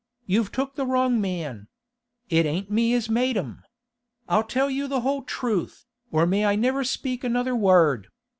You've took the wrong man. It ain't me as made 'em! I'll tell you the whole truth, or may I never speak another word!